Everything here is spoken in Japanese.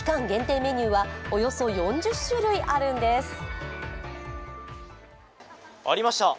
限定メニューはおよそ４０種類あるんです。